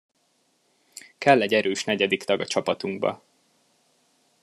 Kell egy erős negyedik tag a csapatunkba.